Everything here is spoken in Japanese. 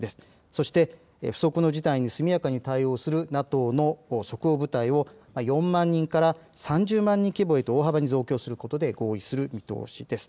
そして、不測の事態に速やかに対応するＮＡＴＯの即応部隊を４万人から３０万人規模へと増強することで合意する見通しです。